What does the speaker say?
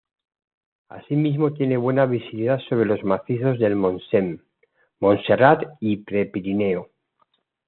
Asimismo tiene buena visibilidad sobre los macizos del Montseny, Montserrat y Prepirineo.